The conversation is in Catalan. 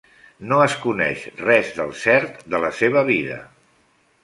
No es coneix res del cert de la seva vida.